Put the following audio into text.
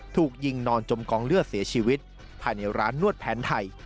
ถูกยิงนอนจมกองเลือดเสียชีวิตภายในร้านนวดแผนไทย